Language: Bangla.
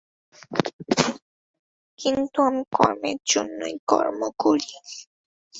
কিন্তু আমি কর্মের জন্যই কর্ম করি।